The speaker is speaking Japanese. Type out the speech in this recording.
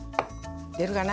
出るかな？